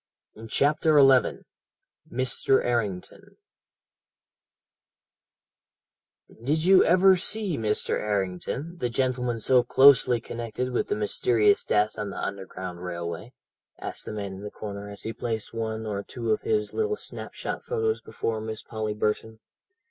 '" CHAPTER XI MR. ERRINGTON "Did you ever see Mr. Errington, the gentleman so closely connected with the mysterious death on the Underground Railway?" asked the man in the corner as he placed one or two of his little snap shot photos before Miss Polly Burton.